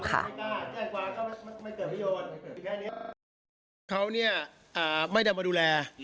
เขาเนี่ยไม่ได้มาดูแล